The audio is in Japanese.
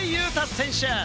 選手。